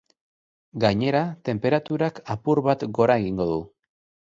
Gainera, tenperaturak apur bat gora egingo du.